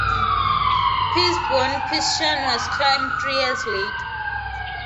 Piz Buin Pitschen was climbed three years later.